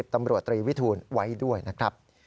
ตำรวจตรีวิทูลไว้ด้วยนะครับ